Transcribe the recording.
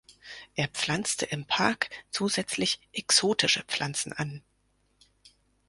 Er pflanzte im Park zusätzlich exotische Pflanzen an.